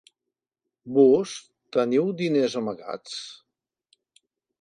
Vós teniu diners amagats?